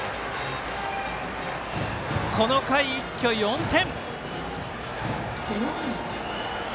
この回、一挙４点！